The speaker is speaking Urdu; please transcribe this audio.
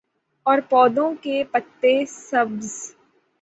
اور پودوں کے پتے سبز